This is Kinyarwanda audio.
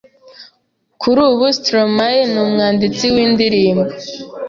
Kuri ubu Stromae ni Umwanditsi w’indirimbo